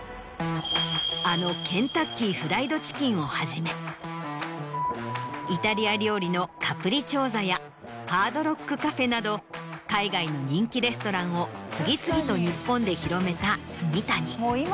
あのケンタッキーフライドチキンをはじめイタリア料理のカプリチョーザやハードロックカフェなど海外の人気レストランを次々と日本で広めた住谷。